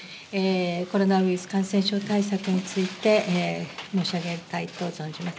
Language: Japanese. コロナウイルス感染症対策について申し上げたいと存じます。